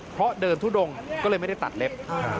เพราะเดินทุดงก็เลยไม่ได้ตัดเล็บ